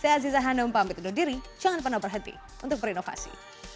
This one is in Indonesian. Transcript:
saya aziza hanum pamit undur diri jangan pernah berhenti untuk berinovasi